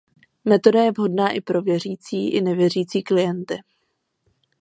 Metoda je vhodná i pro věřící i nevěřící klienty.